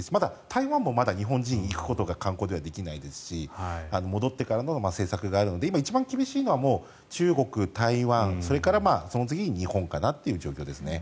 台湾もまだ日本人は行くことは観光ではできないですし戻ってからの政策があるので今一番厳しいのは中国、台湾それからその次に日本かなという状況ですね。